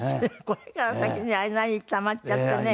これから先あんなにたまっちゃってね。